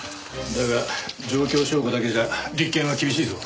だが状況証拠だけじゃ立件は厳しいぞ。